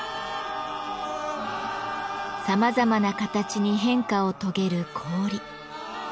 さまざまな形に変化を遂げる氷。